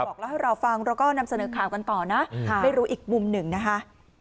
เล่าให้เราฟังเราก็นำเสนอข่าวกันต่อนะไม่รู้อีกมุมหนึ่งนะคะ